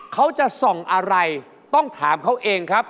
เขาจะส่องอะไรต้องถามเขาเองครับ